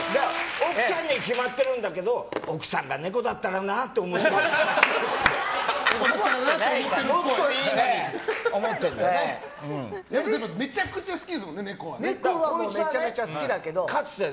奥さんには決まってるんだけど奥さんがネコだったらなって思ってるんだよ。